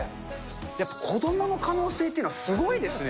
やっぱ子どもの可能性というのはすごいですね。